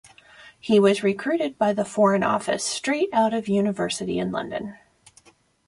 He was recruited by the Foreign Office straight out of university in London.